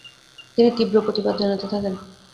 তিনি তীব্র প্রতিবাদ জনাতে থাকেন।